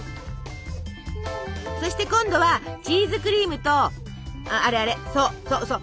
そして今度はチーズクリームとあれあれそうそうそう